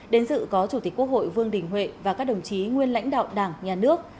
đến dự có chủ tịch quốc hội vương đình huệ và các đồng chí nguyên lãnh đạo đảng nhà nước